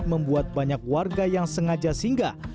membuat banyak warga yang sengaja singgah